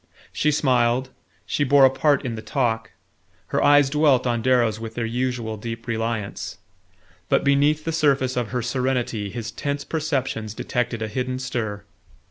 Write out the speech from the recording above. She smiled, she bore a part in the talk, her eyes dwelt on Darrow's with their usual deep reliance; but beneath the surface of her serenity his tense perceptions detected a hidden stir.